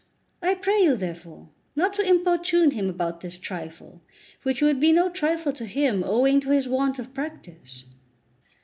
I pray you, therefore, not to importune him about this trifle, which would be no trifle to him owing to his want of practice."